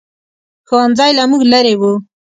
ښوؤنځی له موږ لرې ؤ